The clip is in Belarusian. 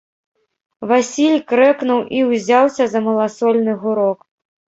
Васіль крэкнуў і ўзяўся за маласольны гурок.